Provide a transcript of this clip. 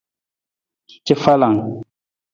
Cafalang.